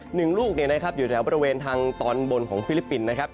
หนึ่งลูกเนี่ยนะครับอยู่แถวบริเวณทางตอนบนของฟิลิปปินส์นะครับ